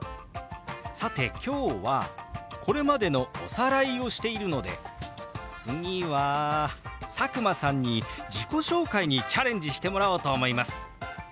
さて今日はこれまでのおさらいをしているので次は佐久間さんに自己紹介にチャレンジしてもらおうと思います。